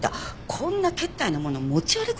こんなけったいなもの持ち歩く